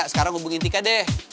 sekarang hubungin tika deh